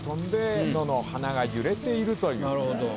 なるほど。